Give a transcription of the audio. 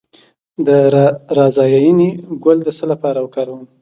د رازیانې ګل د څه لپاره وکاروم؟